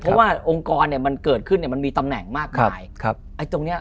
เพราะว่าองค์กรเกิดขึ้นมันมีตำแหน่งมากไร